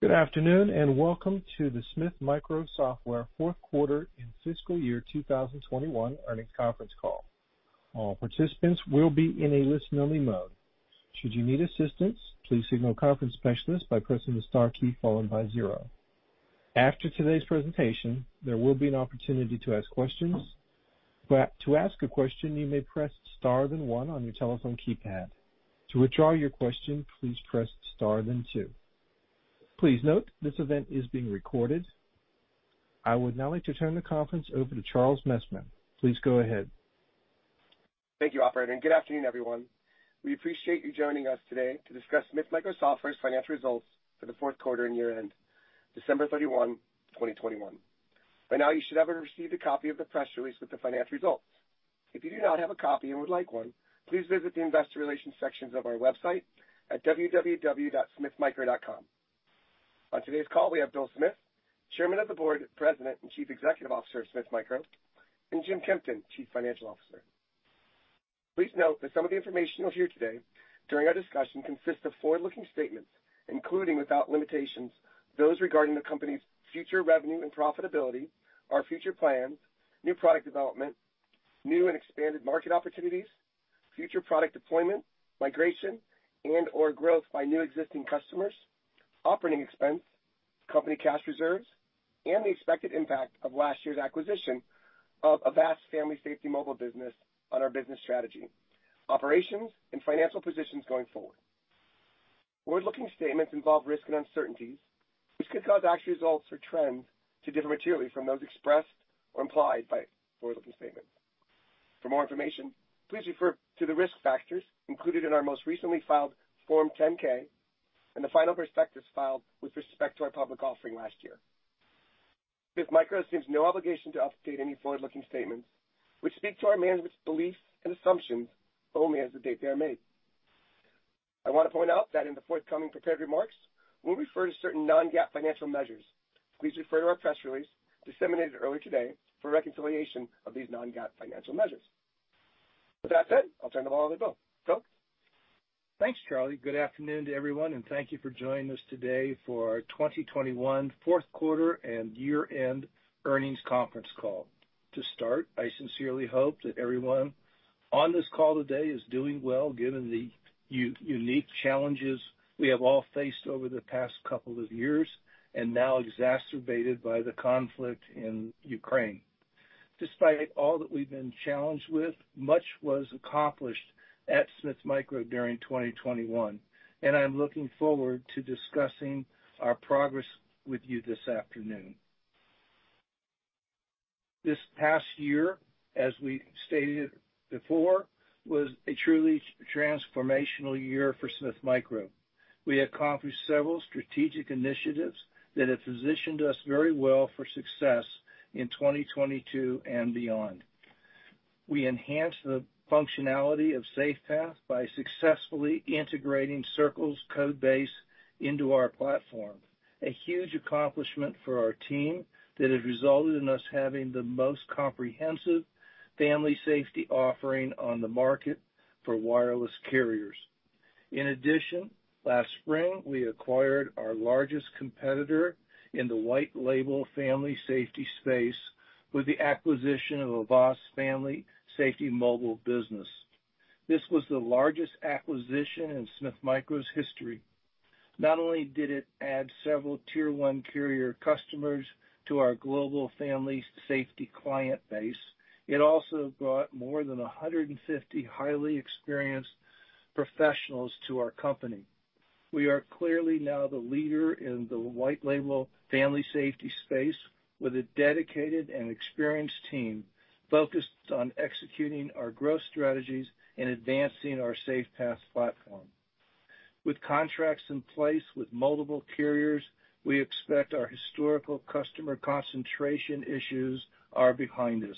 Good afternoon, and welcome to the Smith Micro Software Q4 and fiscal year 2021 Earnings Conference Call. All participants will be in a listen-only mode. Should you need assistance, please signal a conference specialist by pressing the star key followed by zero. After today's presentation, there will be an opportunity to ask questions. To ask a question, you may press star then one on your telephone keypad. To withdraw your question, please press star then two. Please note this event is being recorded. I would now like to turn the conference over to Charles Messman. Please go ahead. Thank you, operator, and good afternoon, everyone. We appreciate you joining us today to discuss Smith Micro Software's financial results for the Q4 and year-end December 31, 2021. By now, you should have received a copy of the press release with the financial results. If you do not have a copy and would like one, please visit the investor relations sections of our website at www.smithmicro.com. On today's call, we have Bill Smith, Chairman of the Board, President, and Chief Executive Officer of Smith Micro, and Jim Kempton, Chief Financial Officer. Please note that some of the information you'll hear today during our discussion consists of forward-looking statements, including, without limitations, those regarding the company's future revenue and profitability, our future plans, new product development, new and expanded market opportunities, future product deployment, migration, and/or growth by new existing customers, operating expense, company cash reserves, and the expected impact of last year's acquisition of Avast Family Safety Mobile business on our business strategy, operations, and financial positions going forward. Forward-looking statements involve risk and uncertainties, which could cause actual results or trends to differ materially from those expressed or implied by forward-looking statements. For more information, please refer to the risk factors included in our most recently filed Form 10-K and the final prospectus filed with respect to our public offering last year. Smith Micro assumes no obligation to update any forward-looking statements which speak to our management's beliefs and assumptions only as of the date they are made. I want to point out that in the forthcoming prepared remarks, we'll refer to certain non-GAAP financial measures. Please refer to our press release disseminated earlier today for reconciliation of these non-GAAP financial measures. With that said, I'll turn the call over to Bill. Bill? Thanks, Charlie. Good afternoon to everyone, and thank you for joining us today for our 2021 Q4 and year-end earnings conference call. To start, I sincerely hope that everyone on this call today is doing well, given the unique challenges we have all faced over the past couple of years and now exacerbated by the conflict in Ukraine. Despite all that we've been challenged with, much was accomplished at Smith Micro during 2021, and I'm looking forward to discussing our progress with you this afternoon. This past year, as we stated before, was a truly transformational year for Smith Micro. We accomplished several strategic initiatives that have positioned us very well for success in 2022 and beyond. We enhanced the functionality of SafePath by successfully integrating Circle's code base into our platform, a huge accomplishment for our team that has resulted in us having the most comprehensive family safety offering on the market for wireless carriers. In addition, last spring, we acquired our largest competitor in the white label family safety space with the acquisition of Avast Family Safety Mobile business. This was the largest acquisition in Smith Micro's history. Not only did it add several tier one carrier customers to our global family safety client base, it also brought more than 150 highly experienced professionals to our company. We are clearly now the leader in the white label family safety space with a dedicated and experienced team focused on executing our growth strategies and advancing our SafePath platform. With contracts in place with multiple carriers, we expect our historical customer concentration issues are behind us.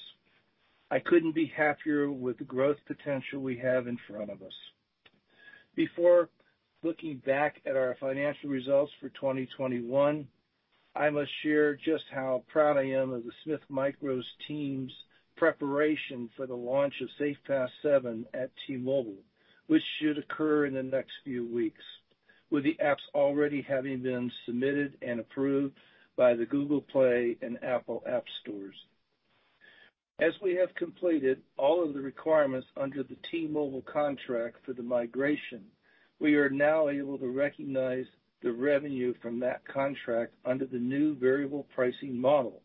I couldn't be happier with the growth potential we have in front of us. Before looking back at our financial results for 2021, I must share just how proud I am of the Smith Micro's team's preparation for the launch of SafePath 7 at T-Mobile, which should occur in the next few weeks, with the apps already having been submitted and approved by the Google Play and Apple App Store. As we have completed all of the requirements under the T-Mobile contract for the migration, we are now able to recognize the revenue from that contract under the new variable pricing model,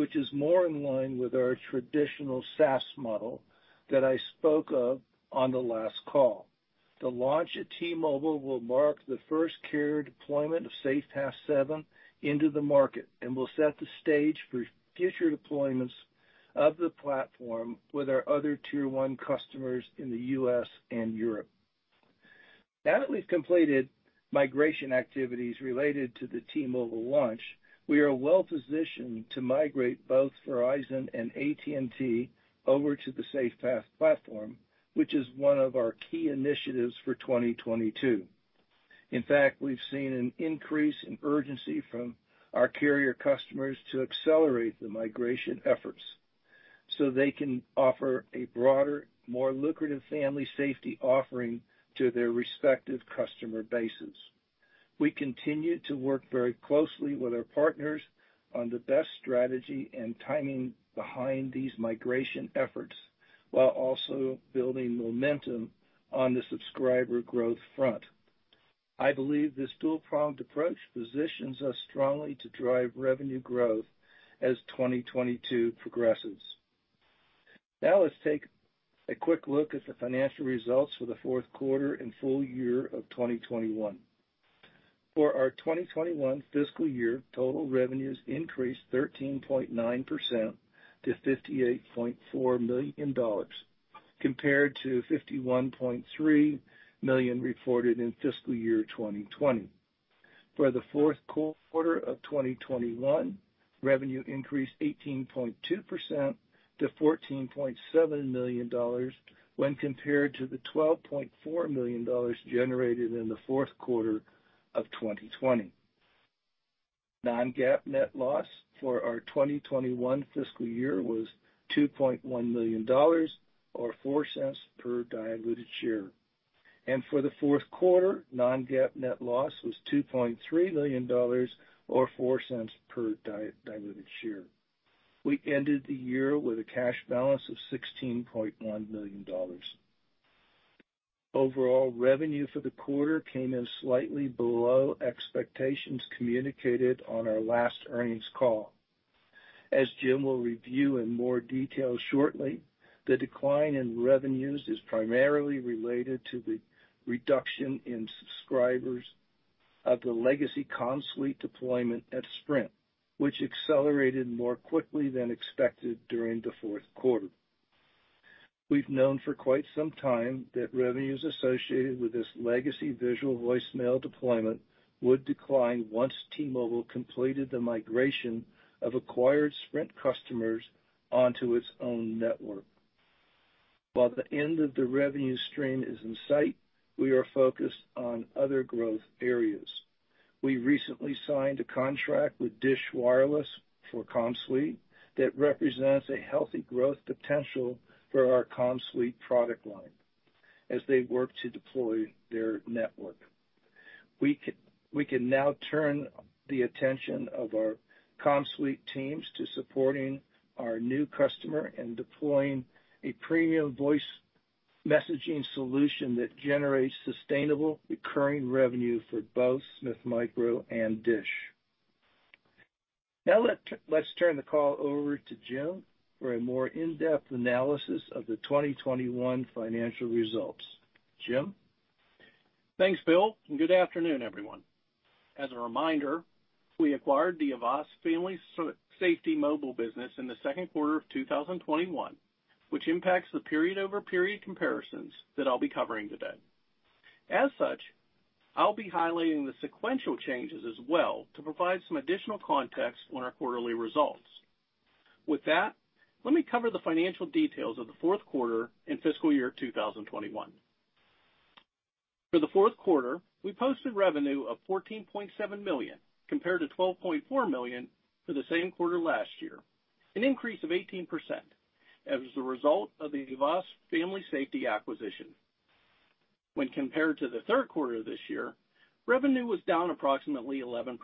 which is more in line with our traditional SaaS model that I spoke of on the last call. The launch at T-Mobile will mark the first carrier deployment of SafePath 7 into the market and will set the stage for future deployments of the platform with our other tier one customers in the U.S. and Europe. Now that we've completed migration activities related to the T-Mobile launch, we are well-positioned to migrate both Verizon and AT&T over to the SafePath platform, which is one of our key initiatives for 2022. In fact, we've seen an increase in urgency from our carrier customers to accelerate the migration efforts. They can offer a broader, more lucrative family safety offering to their respective customer bases. We continue to work very closely with our partners on the best strategy and timing behind these migration efforts, while also building momentum on the subscriber growth front. I believe this dual-pronged approach positions us strongly to drive revenue growth as 2022 progresses. Now let's take a quick look at the financial results for the Q4 and full year of 2021. For our 2021 fiscal year, total revenues increased 13.9% to $58.4 million compared to $51.3 million reported in fiscal year 2020. For the Q4 of 2021, revenue increased 18.2% to $14.7 million when compared to the $12.4 million generated in the Q4 of 2020. Non-GAAP net loss for our 2021 fiscal year was $2.1 million or $0.04 per diluted share. For the Q4, non-GAAP net loss was $2.3 million or $0.04 per diluted share. We ended the year with a cash balance of $16.1 million. Overall, revenue for the quarter came in slightly below expectations communicated on our last earnings call. As Jim will review in more detail shortly, the decline in revenues is primarily related to the reduction in subscribers of the legacy CommSuite deployment at Sprint, which accelerated more quickly than expected during the Q4. We've known for quite some time that revenues associated with this legacy visual voicemail deployment would decline once T-Mobile completed the migration of acquired Sprint customers onto its own network. While the end of the revenue stream is in sight, we are focused on other growth areas. We recently signed a contract with Dish Wireless for CommSuite that represents a healthy growth potential for our CommSuite product line as they work to deploy their network. We can now turn the attention of our CommSuite teams to supporting our new customer and deploying a premium voice messaging solution that generates sustainable, recurring revenue for both Smith Micro and Dish. Now let's turn the call over to Jim for a more in-depth analysis of the 2021 financial results. Jim? Thanks, Bill, and good afternoon, everyone. As a reminder, we acquired the Avast Family Safety mobile business in the Q2 of 2021, which impacts the period-over-period comparisons that I'll be covering today. As such, I'll be highlighting the sequential changes as well to provide some additional context on our quarterly results. With that, let me cover the financial details of the Q4 and fiscal year 2021. For the Q4, we posted revenue of $14.7 million compared to $12.4 million for the same quarter last year, an increase of 18% as a result of the Avast Family Safety acquisition. When compared to the Q3 of this year, revenue was down approximately 11%,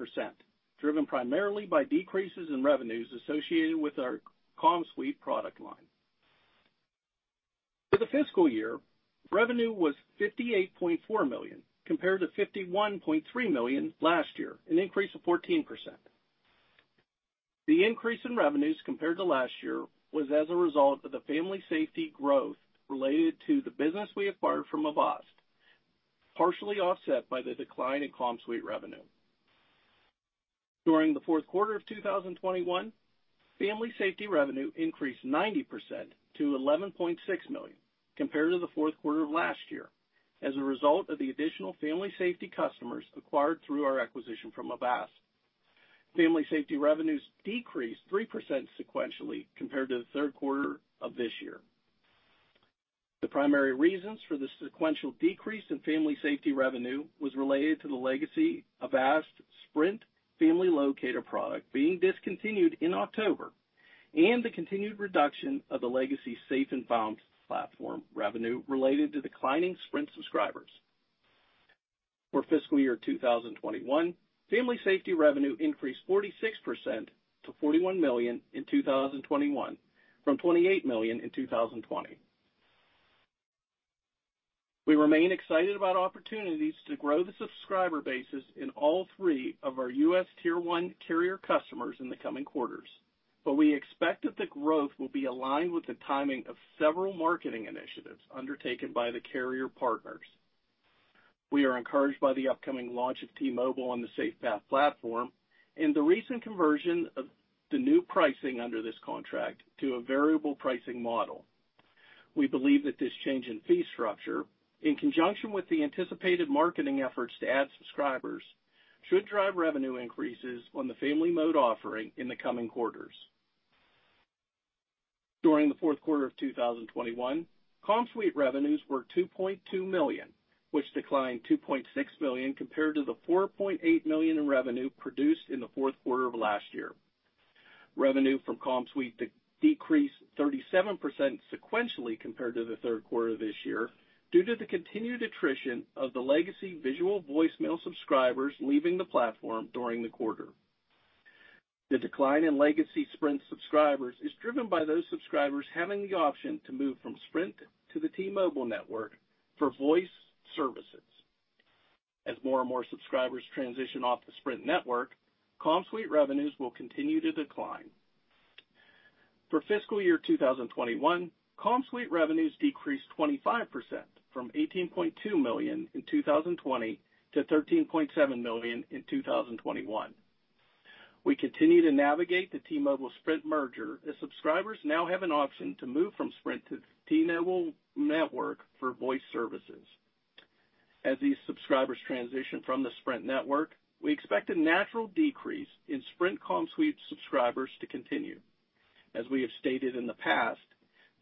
driven primarily by decreases in revenues associated with our CommSuite product line. For the fiscal year, revenue was $58.4 million compared to $51.3 million last year, an increase of 14%. The increase in revenues compared to last year was as a result of the Family Safety growth related to the business we acquired from Avast, partially offset by the decline in CommSuite revenue. During the Q4 of 2021, Family Safety revenue increased 90% to $11.6 million compared to the Q4 of last year as a result of the additional Family Safety customers acquired through our acquisition from Avast. Family Safety revenues decreased 3% sequentially compared to the Q3 of this year. The primary reasons for the sequential decrease in Family Safety revenue was related to the legacy Avast/Sprint Family Locator product being discontinued in October, and the continued reduction of the legacy Safe & Found platform revenue related to declining Sprint subscribers. For fiscal year 2021, Family Safety revenue increased 46% to $41 million in 2021 from $28 million in 2020. We remain excited about opportunities to grow the subscriber bases in all three of our U.S. tier one carrier customers in the coming quarters, but we expect that the growth will be aligned with the timing of several marketing initiatives undertaken by the carrier partners. We are encouraged by the upcoming launch of T-Mobile on the SafePath platform and the recent conversion of the new pricing under this contract to a variable pricing model. We believe that this change in fee structure, in conjunction with the anticipated marketing efforts to add subscribers, should drive revenue increases on the FamilyMode offering in the coming quarters. During the Q4 of 2021, CommSuite revenues were $2.2 million, which declined $2.6 million compared to the $4.8 million in revenue produced in the Q4 of last year. Revenue from CommSuite decreased 37% sequentially compared to the Q3 of this year, due to the continued attrition of the legacy visual voicemail subscribers leaving the platform during the quarter. The decline in legacy Sprint subscribers is driven by those subscribers having the option to move from Sprint to the T-Mobile network for voice services. As more and more subscribers transition off the Sprint network, CommSuite revenues will continue to decline. For fiscal year 2021, CommSuite revenues decreased 25% from $18.2 million in 2020 to $13.7 million in 2021. We continue to navigate the T-Mobile Sprint merger as subscribers now have an option to move from Sprint to T-Mobile network for voice services. As these subscribers transition from the Sprint network, we expect a natural decrease in Sprint CommSuite subscribers to continue. As we have stated in the past,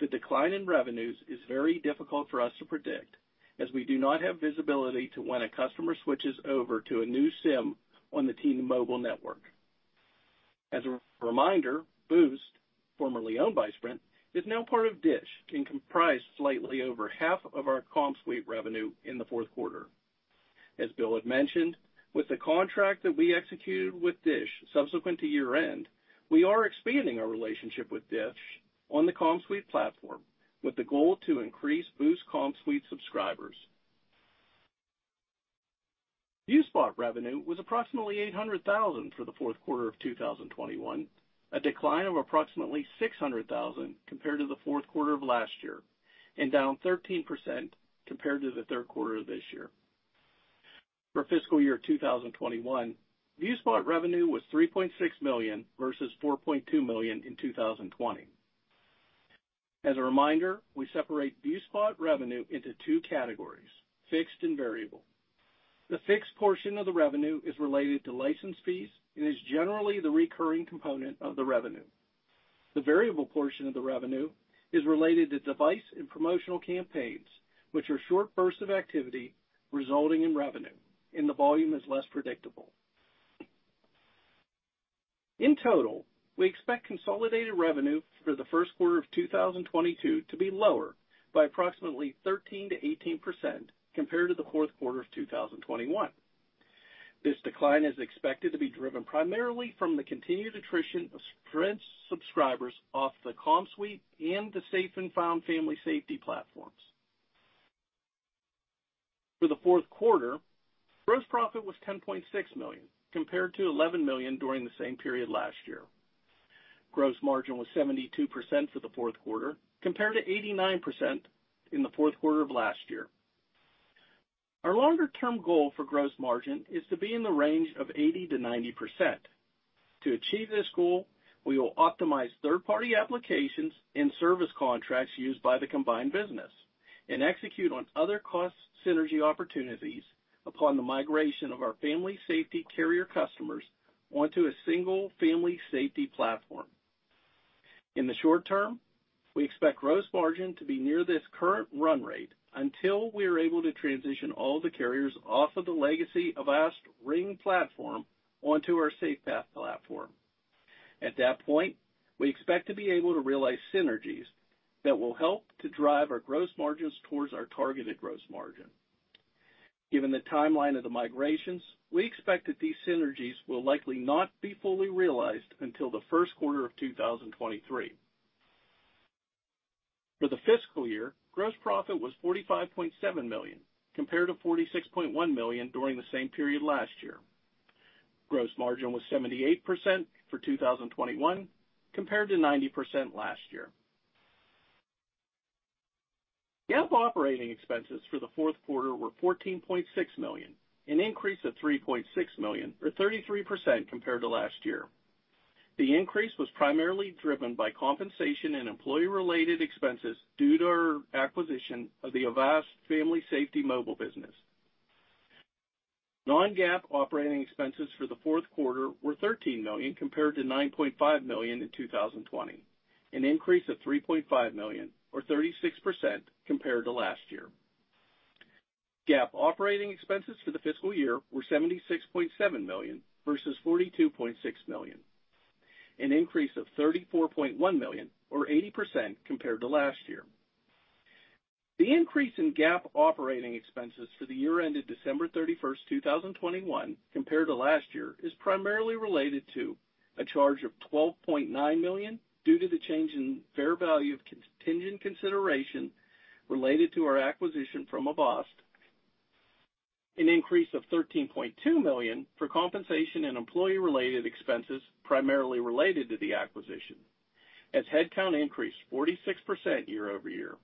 the decline in revenues is very difficult for us to predict as we do not have visibility to when a customer switches over to a new SIM on the T-Mobile network. As a reminder, Boost, formerly owned by Sprint, is now part of Dish and comprised slightly over half of our CommSuite revenue in the Q4. As Bill had mentioned, with the contract that we executed with Dish subsequent to year-end, we are expanding our relationship with Dish on the CommSuite platform with the goal to increase Boost CommSuite subscribers. ViewSpot revenue was approximately $800,000 for the Q4 of 2021, a decline of approximately $600,000 compared to the Q4 of last year and down 13% compared to the Q3 of this year. For fiscal year 2021, ViewSpot revenue was $3.6 million versus $4.2 million in 2020. As a reminder, we separate ViewSpot revenue into two categories, fixed and variable. The fixed portion of the revenue is related to license fees and is generally the recurring component of the revenue. The variable portion of the revenue is related to device and promotional campaigns, which are short bursts of activity resulting in revenue, and the volume is less predictable. In total, we expect consolidated revenue for the Q1 of 2022 to be lower by approximately 13%-18% compared to the Q4 of 2021. This decline is expected to be driven primarily from the continued attrition of Sprint subscribers off the CommSuite and the Safe & Found family safety platforms. For the Q4, gross profit was $10.6 million compared to $11 million during the same period last year. Gross margin was 72% for the Q4 compared to 89% in the Q4 of last year. Our longer-term goal for gross margin is to be in the range of 80%-90%. To achieve this goal, we will optimize third-party applications and service contracts used by the combined business and execute on other cost synergy opportunities upon the migration of our Family Safety carrier customers onto a single Family Safety platform. In the short term, we expect gross margin to be near this current run rate until we are able to transition all the carriers off of the legacy Avast/Sprint platform onto our SafePath platform. At that point, we expect to be able to realize synergies that will help to drive our gross margins towards our targeted gross margin. Given the timeline of the migrations, we expect that these synergies will likely not be fully realized until the Q1 of 2023. For the fiscal year, gross profit was $45.7 million, compared to $46.1 million during the same period last year. Gross margin was 78% for 2021, compared to 90% last year. GAAP operating expenses for the Q4 were $14.6 million, an increase of $3.6 million, or 33% compared to last year. The increase was primarily driven by compensation and employee-related expenses due to our acquisition of the Avast Family Safety mobile business. Non-GAAP operating expenses for the Q4 were $13 million compared to $9.5 million in 2020, an increase of $3.5 million or 36% compared to last year. GAAP operating expenses for the fiscal year were $76.7 million versus $42.6 million, an increase of $34.1 million or 80% compared to last year. The increase in GAAP operating expenses for the year ended December 31, 2021, compared to last year, is primarily related to a charge of $12.9 million due to the change in fair value of contingent consideration related to our acquisition from Avast. An increase of $13.2 million for compensation and employee related expenses, primarily related to the acquisition, as headcount increased 46% year over year,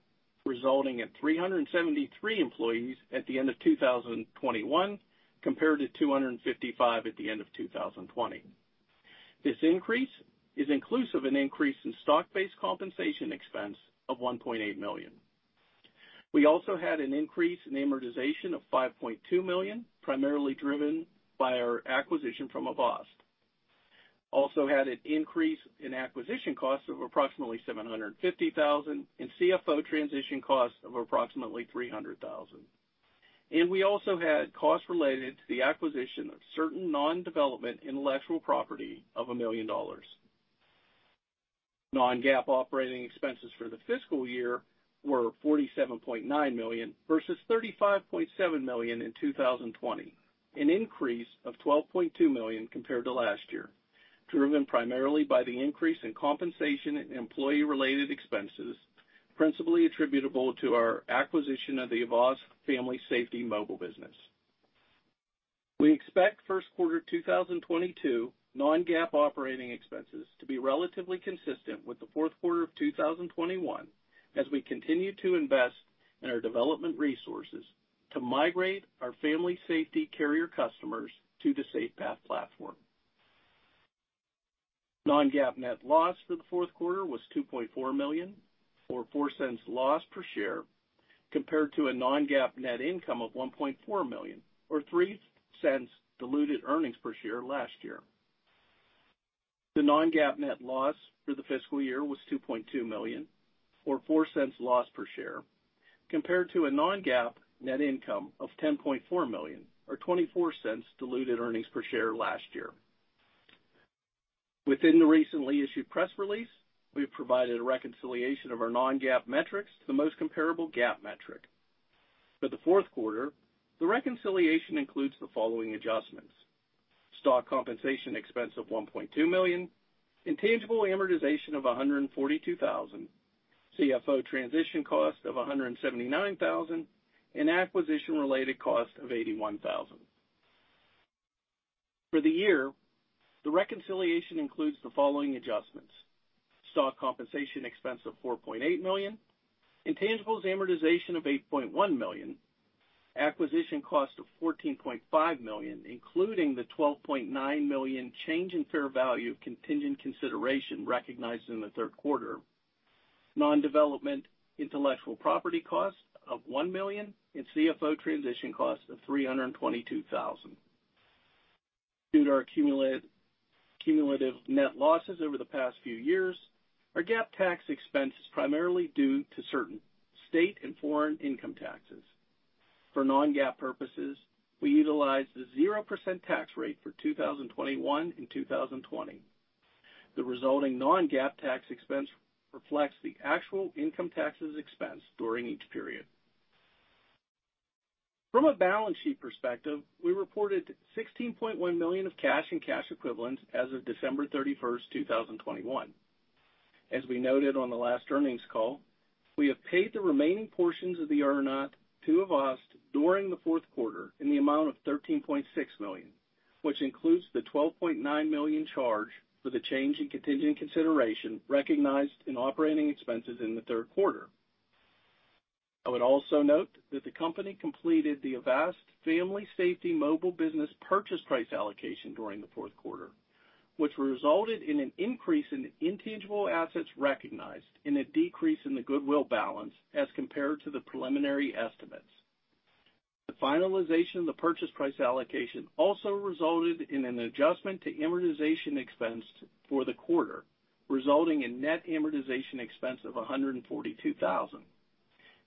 resulting in 373 employees at the end of 2021, compared to 255 at the end of 2020. This increase is inclusive of an increase in stock-based compensation expense of $1.8 million. We also had an increase in amortization of $5.2 million, primarily driven by our acquisition from Avast. We also had an increase in acquisition costs of approximately $750,000 and CFO transition costs of approximately $300,000. We also had costs related to the acquisition of certain non-development intellectual property of $1 million. Non-GAAP operating expenses for the fiscal year were $47.9 million, versus $35.7 million in 2020, an increase of $12.2 million compared to last year, driven primarily by the increase in compensation and employee-related expenses, principally attributable to our acquisition of the Avast Family Safety mobile business. We expect Q1 2022 non-GAAP operating expenses to be relatively consistent with the Q4 of 2021 as we continue to invest in our development resources to migrate our Family Safety carrier customers to the SafePath platform. Non-GAAP net loss for the Q4 was $2.4 million or $0.04 loss per share, compared to a non-GAAP net income of $1.4 million or $0.03 diluted earnings per share last year. The non-GAAP net loss for the fiscal year was $2.2 million or $0.04 loss per share, compared to a non-GAAP net income of $10.4 million or $0.24 diluted earnings per share last year. Within the recently issued press release, we have provided a reconciliation of our non-GAAP metrics to the most comparable GAAP metric. For the Q4, the reconciliation includes the following adjustments, stock compensation expense of $1.2 million, intangible amortization of $142,000, CFO transition cost of $179,000, and acquisition-related cost of $81,000. For the year, the reconciliation includes the following adjustments, stock compensation expense of $4.8 million, intangibles amortization of $8.1 million, acquisition cost of $14.5 million, including the $12.9 million change in fair value of contingent consideration recognized in the Q3, non-development intellectual property cost of $1 million, and CFO transition cost of $322,000. Due to our cumulative net losses over the past few years, our GAAP tax expense is primarily due to certain state and foreign income taxes. For non-GAAP purposes, we utilized the 0% tax rate for 2021 and 2020. The resulting non-GAAP tax expense reflects the actual income taxes expense during each period. From a balance sheet perspective, we reported $16.1 million of cash and cash equivalents as of December 31, 2021. As we noted on the last earnings call, we have paid the remaining portions of the earn-out to Avast during the Q4 in the amount of $13.6 million, which includes the $12.9 million charge for the change in contingent consideration recognized in operating expenses in the Q3. I would also note that the company completed the Avast Family Safety mobile business purchase price allocation during the Q4, which resulted in an increase in intangible assets recognized and a decrease in the goodwill balance as compared to the preliminary estimates. The finalization of the purchase price allocation also resulted in an adjustment to amortization expense for the quarter, resulting in net amortization expense of $142,000.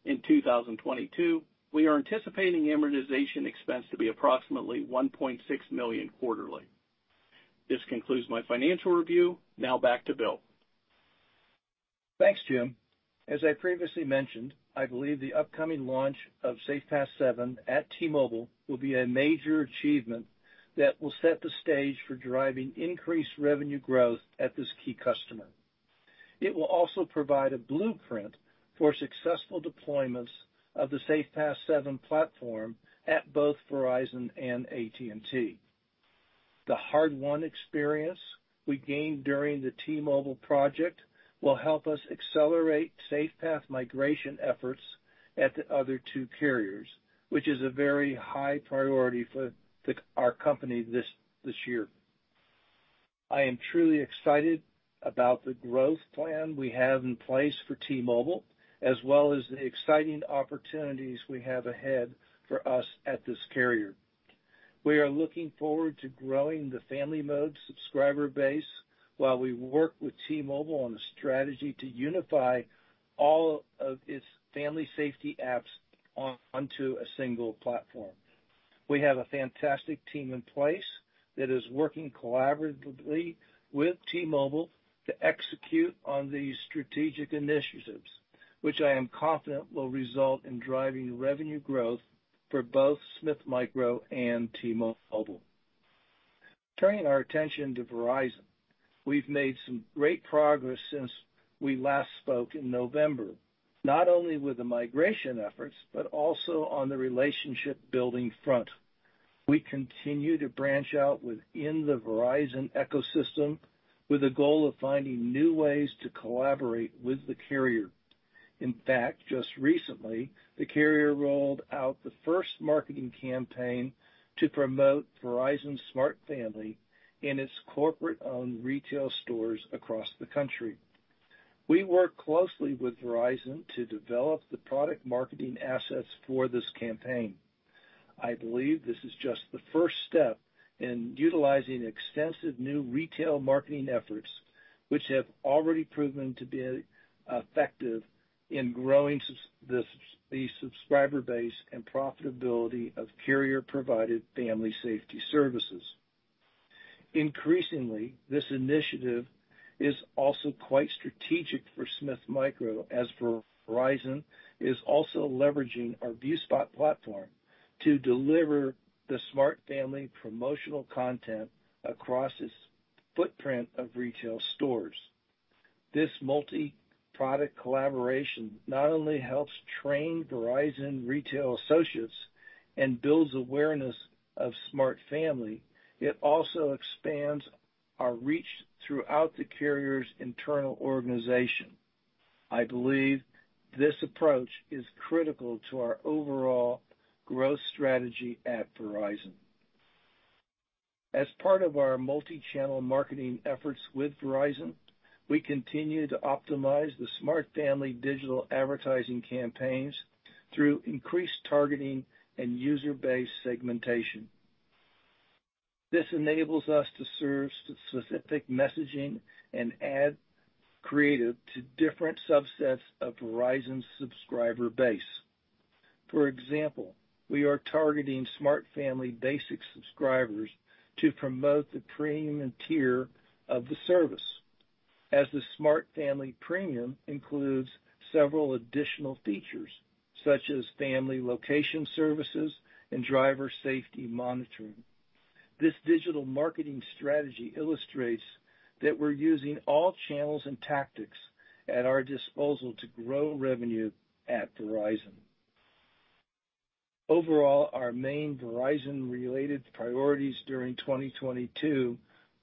In 2022, we are anticipating amortization expense to be approximately $1.6 million quarterly. This concludes my financial review. Now back to Bill. Thanks, Jim. As I previously mentioned, I believe the upcoming launch of SafePath 7 at T-Mobile will be a major achievement that will set the stage for driving increased revenue growth at this key customer. It will also provide a blueprint for successful deployments of the SafePath 7 platform at both Verizon and AT&T. The hard-won experience we gained during the T-Mobile project will help us accelerate SafePath migration efforts at the other two carriers, which is a very high priority for our company this year. I am truly excited about the growth plan we have in place for T-Mobile, as well as the exciting opportunities we have ahead for us at this carrier. We are looking forward to growing the FamilyMode subscriber base while we work with T-Mobile on a strategy to unify all of its Family Safety apps onto a single platform. We have a fantastic team in place that is working collaboratively with T-Mobile to execute on these strategic initiatives, which I am confident will result in driving revenue growth for both Smith Micro and T-Mobile. Turning our attention to Verizon, we've made some great progress since we last spoke in November, not only with the migration efforts, but also on the relationship-building front. We continue to branch out within the Verizon ecosystem with the goal of finding new ways to collaborate with the carrier. In fact, just recently, the carrier rolled out the first marketing campaign to promote Verizon Smart Family in its corporate-owned retail stores across the country. We worked closely with Verizon to develop the product marketing assets for this campaign. I believe this is just the first step in utilizing extensive new retail marketing efforts, which have already proven to be effective in growing the subscriber base and profitability of carrier-provided family safety services. Increasingly, this initiative is also quite strategic for Smith Micro, as Verizon is also leveraging our ViewSpot platform to deliver the Smart Family promotional content across its footprint of retail stores. This multiproduct collaboration not only helps train Verizon retail associates and builds awareness of Smart Family, it also expands our reach throughout the carrier's internal organization. I believe this approach is critical to our overall growth strategy at Verizon. As part of our multichannel marketing efforts with Verizon, we continue to optimize the Smart Family digital advertising campaigns through increased targeting and user-based segmentation. This enables us to serve specific messaging and ad creative to different subsets of Verizon's subscriber base. For example, we are targeting Smart Family basic subscribers to promote the premium tier of the service, as the Smart Family Premium includes several additional features such as family location services and driver safety monitoring. This digital marketing strategy illustrates that we're using all channels and tactics at our disposal to grow revenue at Verizon. Overall, our main Verizon-related priorities during 2022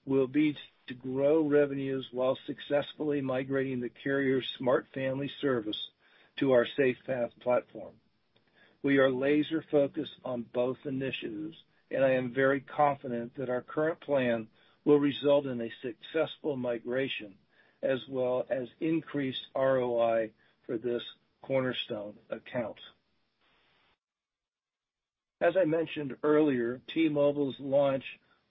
will be to grow revenues while successfully migrating the carrier's Smart Family service to our SafePath platform. We are laser-focused on both initiatives, and I am very confident that our current plan will result in a successful migration, as well as increased ROI for this cornerstone account. As I mentioned earlier, T-Mobile's launch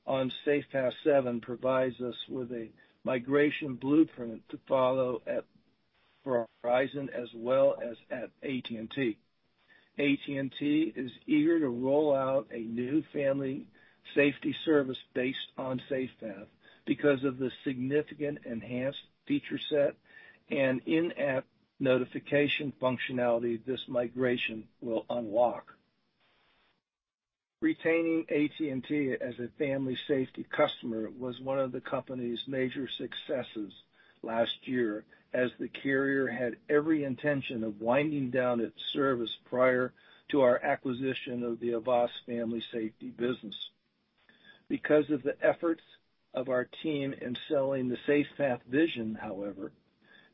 on SafePath 7 provides us with a migration blueprint to follow at, for Verizon as well as at AT&T. AT&T is eager to roll out a new family safety service based on SafePath because of the significant enhanced feature set and in-app notification functionality this migration will unlock. Retaining AT&T as a family safety customer was one of the company's major successes last year, as the carrier had every intention of winding down its service prior to our acquisition of the Avast family safety business. Because of the efforts of our team in selling the SafePath vision, however,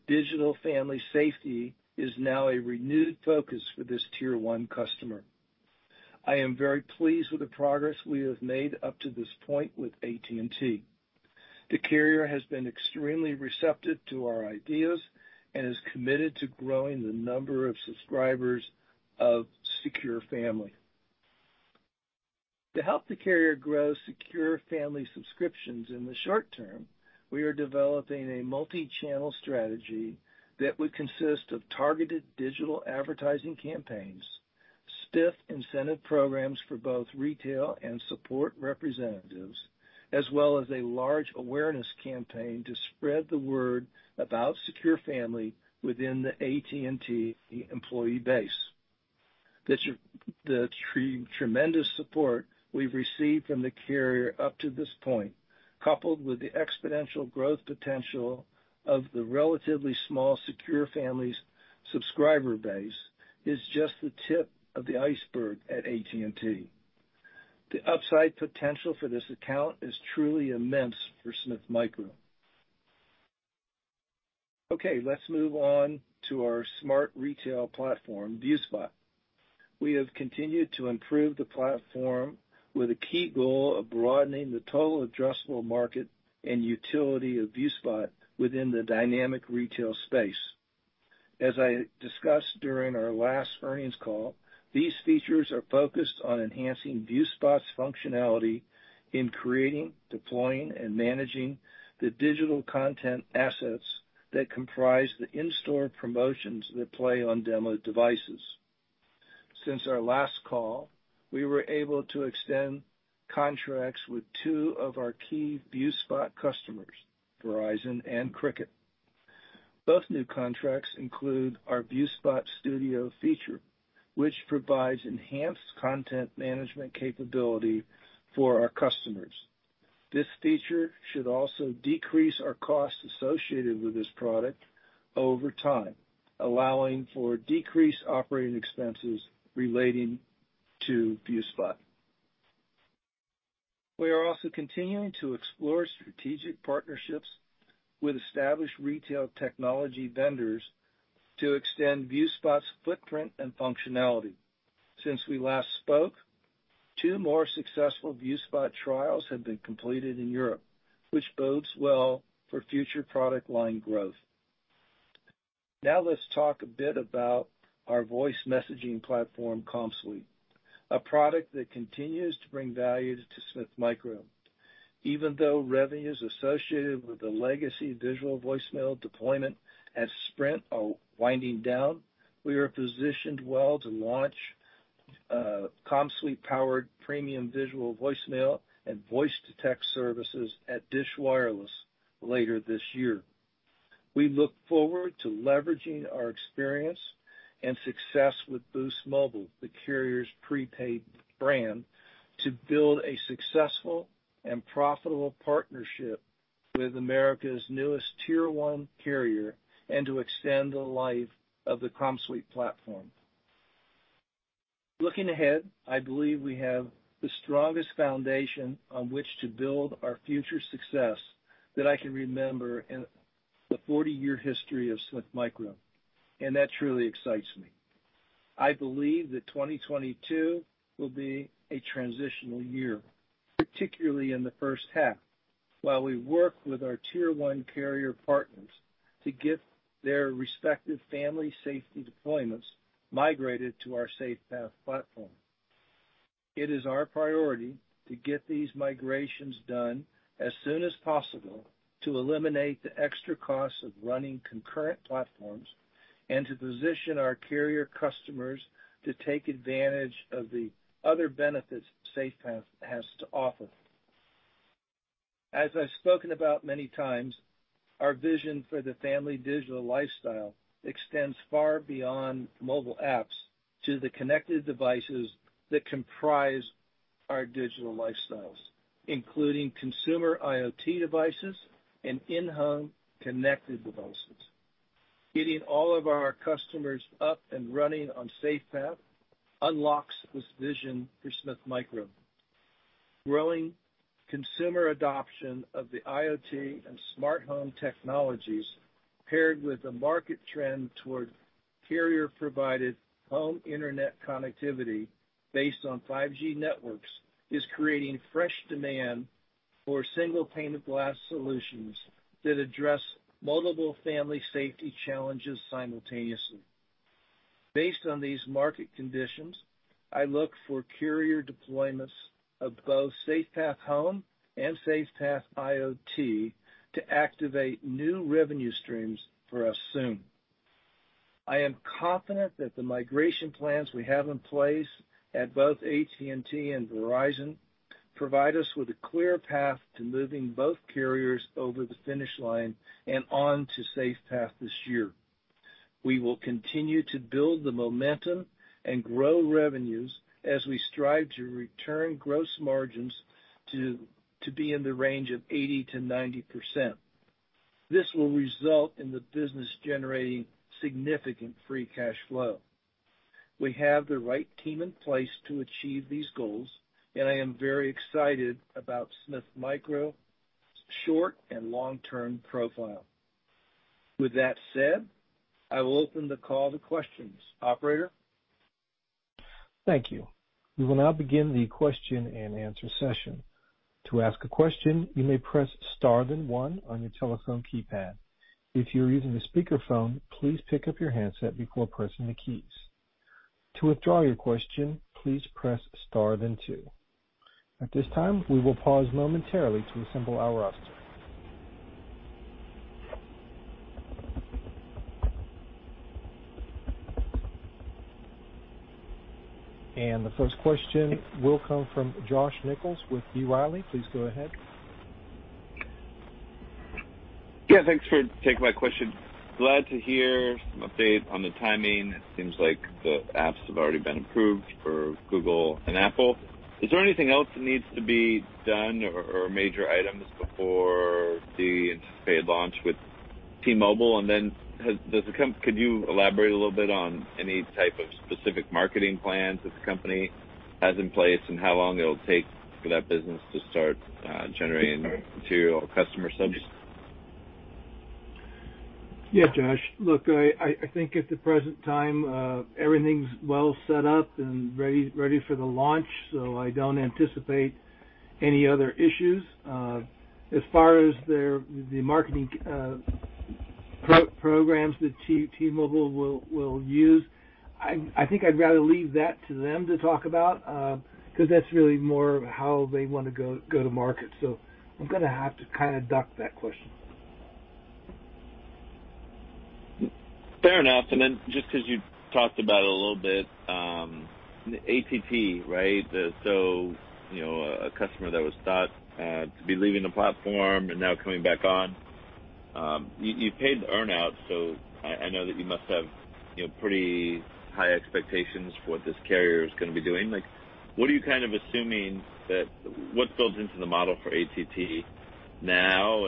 digital family safety is now a renewed focus for this tier one customer. I am very pleased with the progress we have made up to this point with AT&T. The carrier has been extremely receptive to our ideas and is committed to growing the number of subscribers of Secure Family. To help the carrier grow Secure Family subscriptions in the short term, we are developing a multichannel strategy that would consist of targeted digital advertising campaigns, stiff incentive programs for both retail and support representatives, as well as a large awareness campaign to spread the word about Secure Family within the AT&T employee base. The tremendous support we've received from the carrier up to this point, coupled with the exponential growth potential of the relatively small Secure Family's subscriber base, is just the tip of the iceberg at AT&T. The upside potential for this account is truly immense for Smith Micro. Okay, let's move on to our smart retail platform, ViewSpot. We have continued to improve the platform with a key goal of broadening the total addressable market and utility of ViewSpot within the dynamic retail space. As I discussed during our last earnings call, these features are focused on enhancing ViewSpot's functionality in creating, deploying, and managing the digital content assets that comprise the in-store promotions that play on demo devices. Since our last call, we were able to extend contracts with two of our key ViewSpot customers, Verizon and Cricket. Both new contracts include our ViewSpot Studio feature, which provides enhanced content management capability for our customers. This feature should also decrease our costs associated with this product over time, allowing for decreased operating expenses relating to ViewSpot. We are also continuing to explore strategic partnerships with established retail technology vendors to extend ViewSpot's footprint and functionality. Since we last spoke. Two more successful ViewSpot trials have been completed in Europe, which bodes well for future product line growth. Now let's talk a bit about our voice messaging platform, CommSuite, a product that continues to bring value to Smith Micro. Even though revenues associated with the legacy visual voicemail deployment at Sprint are winding down, we are positioned well to launch, CommSuite-powered premium visual voicemail and voice-to-text services at Dish Wireless later this year. We look forward to leveraging our experience and success with Boost Mobile, the carrier's prepaid brand, to build a successful and profitable partnership with America's newest tier one carrier and to extend the life of the CommSuite platform. Looking ahead, I believe we have the strongest foundation on which to build our future success that I can remember in the 40-year history of Smith Micro, and that truly excites me. I believe that 2022 will be a transitional year, particularly in the first half, while we work with our tier one carrier partners to get their respective family safety deployments migrated to our SafePath platform. It is our priority to get these migrations done as soon as possible to eliminate the extra costs of running concurrent platforms and to position our carrier customers to take advantage of the other benefits SafePath has to offer. As I've spoken about many times, our vision for the family digital lifestyle extends far beyond mobile apps to the connected devices that comprise our digital lifestyles, including consumer IoT devices and in-home connected devices. Getting all of our customers up and running on SafePath unlocks this vision for Smith Micro. Growing consumer adoption of the IoT and smart home technologies, paired with the market trend toward carrier-provided home internet connectivity based on 5G networks, is creating fresh demand for single pane of glass solutions that address multiple family safety challenges simultaneously. Based on these market conditions, I look for carrier deployments of both SafePath Home and SafePath IoT to activate new revenue streams for us soon. I am confident that the migration plans we have in place at both AT&T and Verizon provide us with a clear path to moving both carriers over the finish line and on to SafePath this year. We will continue to build the momentum and grow revenues as we strive to return gross margins to be in the range of 80%-90%. This will result in the business generating significant free cash flow. We have the right team in place to achieve these goals, and I am very excited about Smith Micro's short- and long-term profile. With that said, I will open the call to questions. Operator? Thank you. We will now begin the question-and-answer session. To ask a question, you may press star then one on your telephone keypad. If you're using a speakerphone, please pick up your handset before pressing the keys. To withdraw your question, please press star then two. At this time, we will pause momentarily to assemble our roster. The first question will come from Josh Nichols with B. Riley. Please go ahead. Yeah, thanks for taking my question. Glad to hear some update on the timing. It seems like the apps have already been approved for Google and Apple. Is there anything else that needs to be done or major items before the anticipated launch with T-Mobile? Could you elaborate a little bit on any type of specific marketing plans that the company has in place and how long it'll take for that business to start generating material customer subs? Yeah, Josh. Look, I think at the present time, everything's well set up and ready for the launch, so I don't anticipate any other issues. As far as their marketing programs that T-Mobile will use, I think I'd rather leave that to them to talk about, 'cause that's really more how they wanna go to market. I'm gonna have to kinda duck that question. Fair enough. Then just 'cause you talked about it a little bit, AT&T, right? You know, a customer that was thought to be leaving the platform and now coming back on. You paid the earn-out, so I know that you must have, you know, pretty high expectations for what this carrier is gonna be doing. Like, what are you kind of assuming what builds into the model for AT&T now?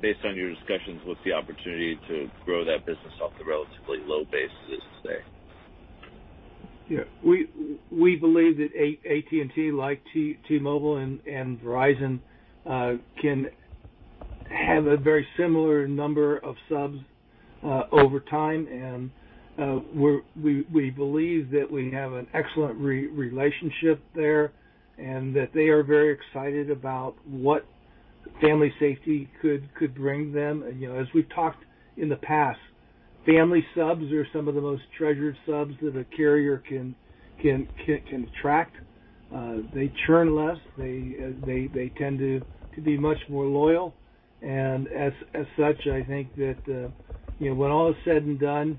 Based on your discussions, what's the opportunity to grow that business off the relatively low base it is today? Yeah. We believe that AT&T, like T-Mobile and Verizon, can have a very similar number of subs over time. We're we believe that we have an excellent relationship there, and that they are very excited about what Family Safety could bring them. You know, as we've talked in the past, family subs are some of the most treasured subs that a carrier can attract. They churn less. They tend to be much more loyal. As such, I think that you know, when all is said and done,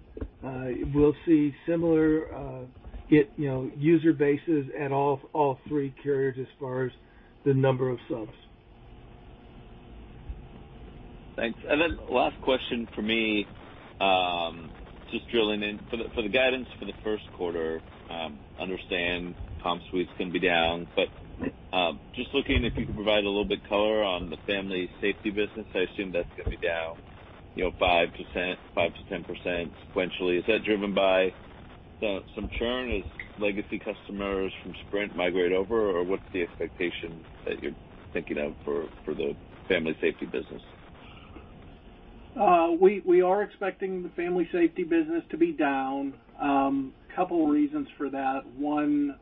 we'll see similar you know, user bases at all three carriers as far as the number of subs. Thanks. Last question for me, just drilling in. For the guidance for the Q1, understand CommSuite's gonna be down. Just looking if you could provide a little bit color on the Family Safety business. I assume that's gonna be down, you know, 5%, 5%-10% sequentially. Is that driven by some churn as legacy customers from Sprint migrate over? Or what's the expectation that you're thinking of for the Family Safety business? We are expecting the Family Safety business to be down. Couple of reasons for that. One,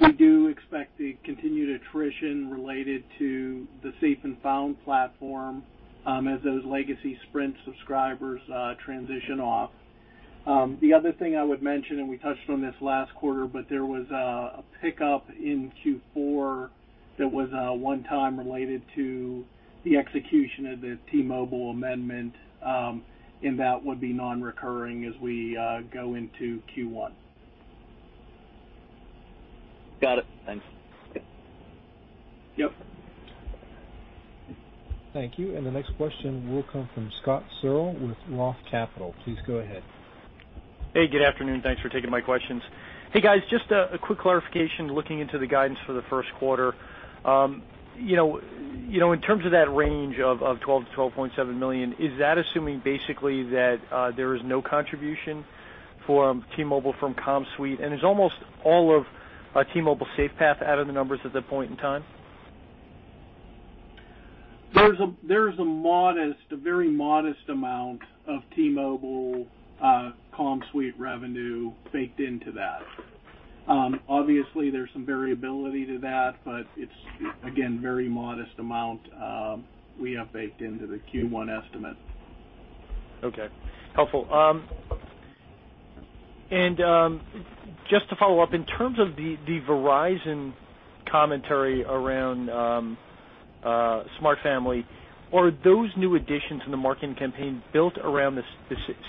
we do expect the continued attrition related to the Safe & Found platform, as those legacy Sprint subscribers transition off. The other thing I would mention, and we touched on this last quarter, but there was a pickup in Q4 that was one time related to the execution of the T-Mobile amendment, and that would be non-recurring as we go into Q1. Got it. Thanks. Yep. Thank you. The next question will come from Scott Searle with Roth Capital. Please go ahead. Hey, good afternoon. Thanks for taking my questions. Hey, guys, just a quick clarification, looking into the guidance for the Q1. You know, in terms of that range of $12 million-$12.7 million, is that assuming basically that there is no contribution from T-Mobile from CommSuite, and is almost all of T-Mobile SafePath out of the numbers at that point in time? There's a very modest amount of T-Mobile CommSuite revenue baked into that. Obviously, there's some variability to that, but it's again a very modest amount we have baked into the Q1 estimate. Okay. Helpful. Just to follow up, in terms of the Verizon commentary around Smart Family, are those new additions in the marketing campaign built around the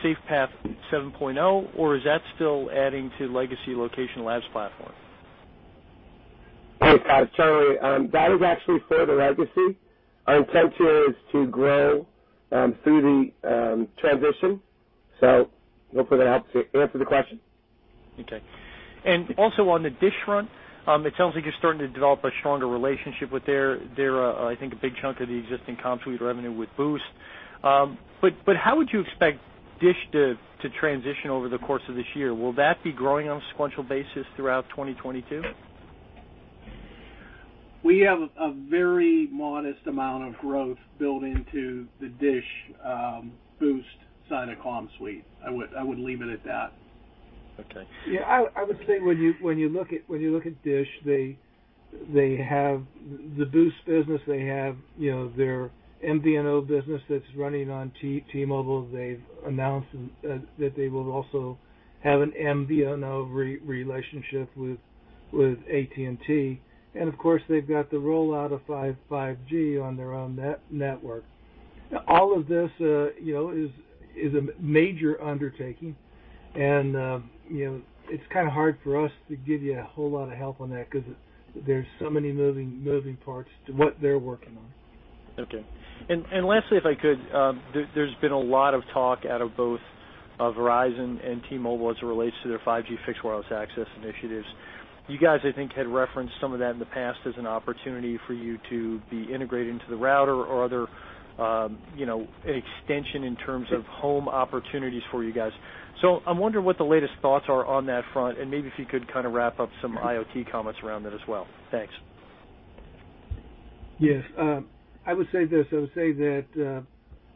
SafePath 7.0? Or is that still adding to legacy Location Labs platform? Hey, Scott. It's Charlie. That is actually for the legacy. Our intent here is to grow through the transition. Hopefully that helps to answer the question. Okay. Also on the Dish front, it sounds like you're starting to develop a stronger relationship with their, I think, a big chunk of the existing CommSuite revenue with Boost. How would you expect Dish to transition over the course of this year? Will that be growing on sequential basis throughout 2022? We have a very modest amount of growth built into the Dish, Boost side of CommSuite. I would leave it at that. Okay. Yeah. I would say when you look at Dish, they have the Boost business. They have, you know, their MVNO business that's running on T-Mobile. They've announced that they will also have an MVNO relationship with AT&T. Of course, they've got the rollout of 5G on their own network. All of this, you know, is a major undertaking. You know, it's kinda hard for us to give you a whole lot of help on that because there's so many moving parts to what they're working on. Okay. Lastly, if I could, there's been a lot of talk out of both, Verizon and T-Mobile as it relates to their 5G fixed wireless access initiatives. You guys, I think, had referenced some of that in the past as an opportunity for you to be integrated into the router or other, you know, extension in terms of home opportunities for you guys. I'm wondering what the latest thoughts are on that front, and maybe if you could kinda wrap up some IoT comments around that as well. Thanks. Yes. I would say this. I would say that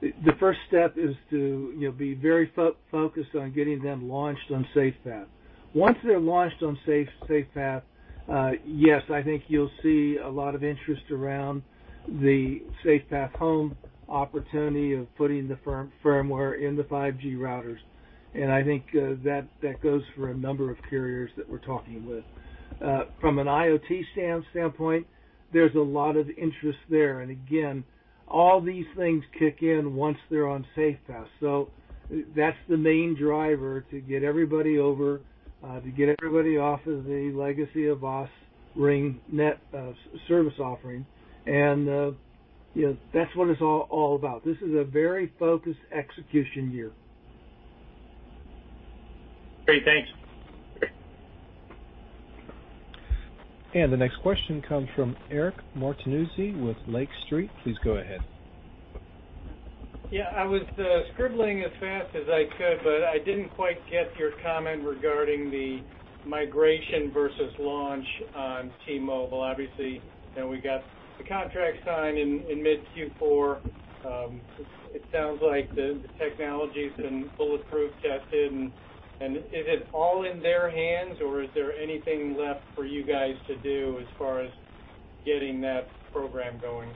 the first step is to, you know, be very focused on getting them launched on SafePath. Once they're launched on SafePath, yes, I think you'll see a lot of interest around the SafePath Home opportunity of putting the firmware in the 5G routers. I think that goes for a number of carriers that we're talking with. From an IoT standpoint, there's a lot of interest there. Again, all these things kick in once they're on SafePath. That's the main driver to get everybody over to get everybody off of the legacy Avast RingNet service offering. You know, that's what it's all about. This is a very focused execution year. Great. Thanks. The next question comes from Eric Martinuzzi with Lake Street. Please go ahead. Yeah, I was scribbling as fast as I could, but I didn't quite get your comment regarding the migration versus launch on T-Mobile. Obviously, you know, we got the contract signed in mid-Q4. It sounds like the technology's been bulletproof tested. Is it all in their hands, or is there anything left for you guys to do as far as getting that program going?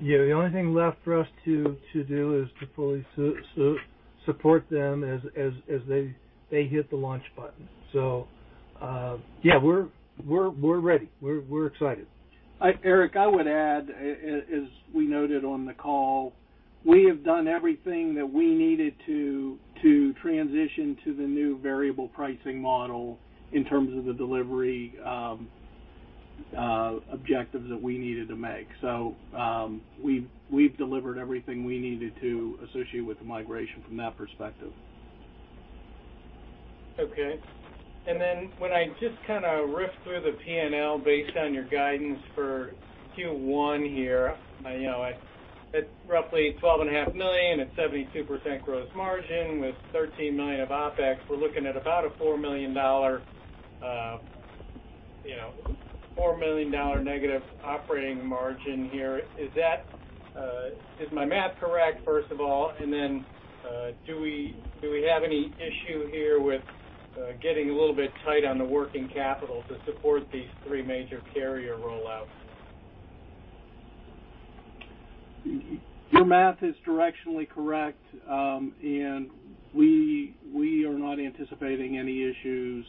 Yeah. The only thing left for us to do is to fully support them as they hit the launch button. Yeah, we're ready. We're excited. Eric, I would add, as we noted on the call, we have done everything that we needed to transition to the new variable pricing model in terms of the delivery, objective that we needed to make. We've delivered everything we needed to associate with the migration from that perspective. Okay. Then when I just kinda riff through the P&L based on your guidance for Q1 here, you know, at roughly $12.5 million at 72% gross margin with $13 million of OpEx, we're looking at about a $4 million negative operating margin here. Is my math correct, first of all, and then do we have any issue here with getting a little bit tight on the working capital to support these three major carrier rollouts? Your math is directionally correct. We are not anticipating any issues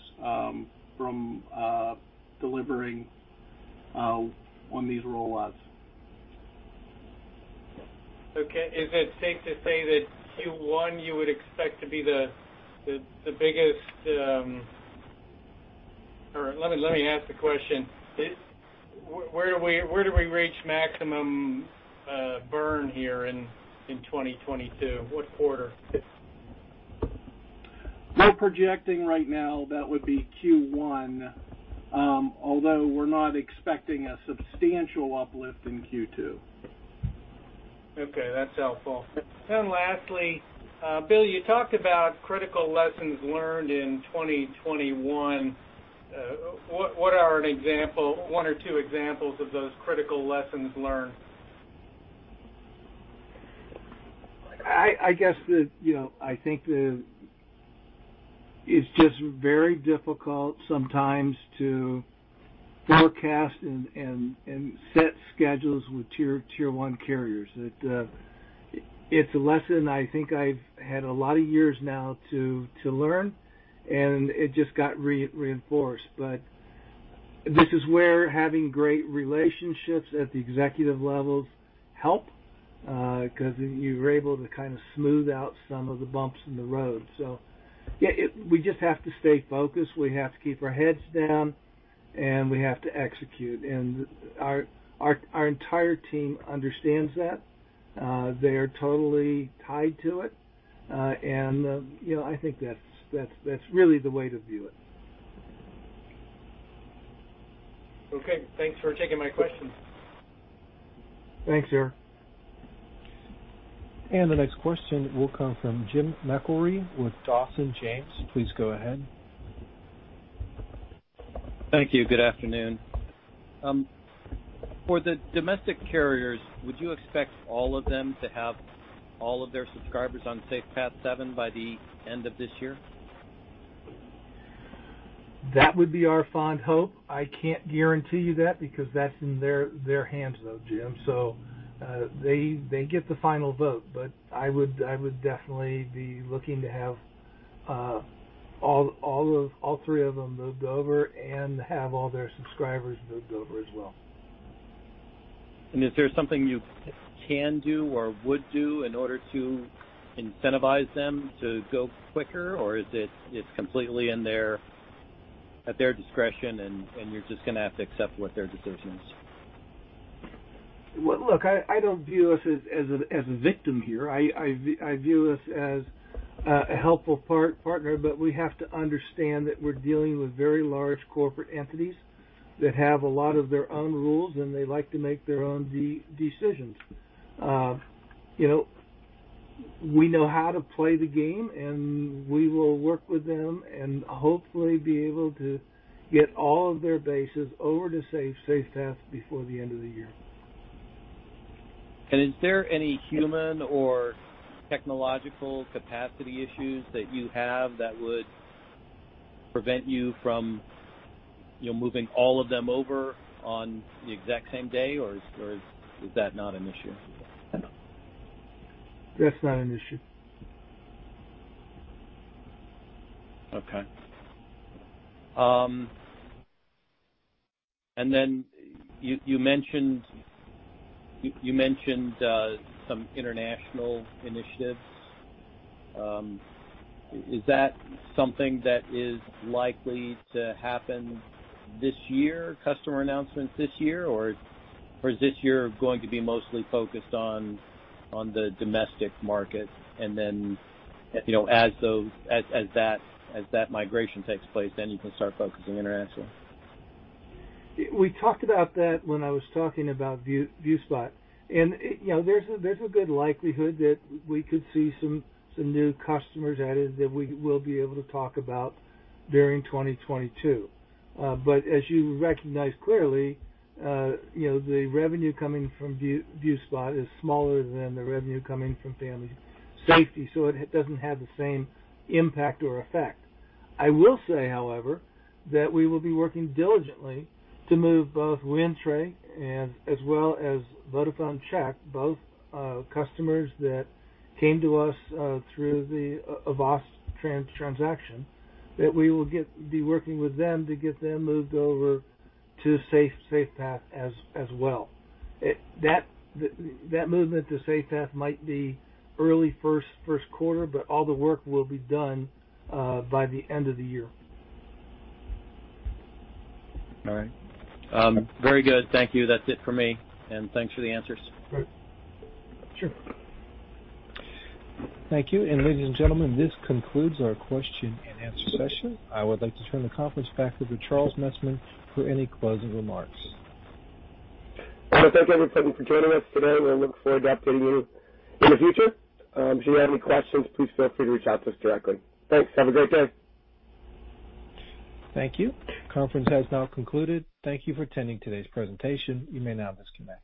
from delivering on these rollouts. Okay. Is it safe to say that Q1 you would expect to be the biggest? Let me ask the question. Where do we reach maximum burn here in 2022? What quarter? We're projecting right now that would be Q1, although we're not expecting a substantial uplift in Q2. Okay, that's helpful. Lastly, Bill, you talked about critical lessons learned in 2021. What are one or two examples of those critical lessons learned? I guess, you know, I think it's just very difficult sometimes to forecast and set schedules with tier one carriers. That's a lesson I think I've had a lot of years now to learn, and it just got reinforced. This is where having great relationships at the executive levels help, 'cause you're able to kind of smooth out some of the bumps in the road. Yeah, we just have to stay focused. We have to keep our heads down, and we have to execute. Our entire team understands that. They are totally tied to it. You know, I think that's really the way to view it. Okay. Thanks for taking my questions. Thanks, Eric. The next question will come from Jim McIlree with Dawson James. Please go ahead. Thank you. Good afternoon. For the domestic carriers, would you expect all of them to have all of their subscribers on SafePath 7 by the end of this year? That would be our fond hope. I can't guarantee you that because that's in their hands, though, Jim. They get the final vote. I would definitely be looking to have all three of them moved over and have all their subscribers moved over as well. Is there something you can do or would do in order to incentivize them to go quicker, or is it's completely at their discretion, and you're just gonna have to accept what their decision is? Well, look, I don't view us as a victim here. I view us as a helpful partner, but we have to understand that we're dealing with very large corporate entities that have a lot of their own rules, and they like to make their own decisions. You know, we know how to play the game, and we will work with them and hopefully be able to get all of their bases over to SafePath before the end of the year. Is there any human or technological capacity issues that you have that would prevent you from, you know, moving all of them over on the exact same day, or is that not an issue? That's not an issue. Okay. You mentioned some international initiatives. Is that something that is likely to happen this year, customer announcements this year, or is this year going to be mostly focused on the domestic market and then, you know, as that migration takes place, then you can start focusing international? We talked about that when I was talking about ViewSpot. You know, there's a good likelihood that we could see some new customers added that we will be able to talk about during 2022. But as you recognize clearly, you know, the revenue coming from ViewSpot is smaller than the revenue coming from Family Safety, so it doesn't have the same impact or effect. I will say, however, that we will be working diligently to move both Wind Tre and as well as Vodafone Czech, both customers that came to us through the Avast transaction, that we will be working with them to get them moved over to SafePath as well. That, that movement to SafePath might be early Q1, but all the work will be done by the end of the year. All right. Very good. Thank you. That's it for me. Thanks for the answers. Sure. Thank you. Ladies and gentlemen, this concludes our question and answer session. I would like to turn the conference back over to Charles Messman for any closing remarks. I wanna thank everybody for joining us today, and we look forward to updating you in the future. If you have any questions, please feel free to reach out to us directly. Thanks. Have a great day. Thank you. Conference has now concluded. Thank you for attending today's presentation. You may now disconnect.